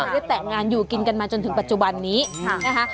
ได้แต่งงานอยู่กินกันมาจนถึงปัจจุบันนี้นะคะ